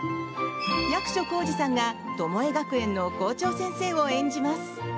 役所広司さんがトモエ学園の校長先生を演じます。